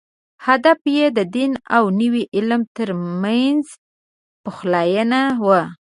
هدف یې د دین او نوي علم تر منځ پخلاینه وه.